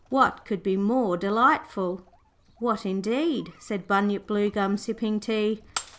What could be more delightful?' 'What indeed?' said Bunyip Bluegum sipping tea.